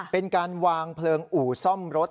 เป็นการวางเพลิงอู่ซ่อมรถ